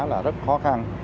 là rất khó khăn